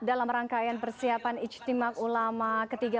diperkayakan persiapan ijtimak ulama ketiga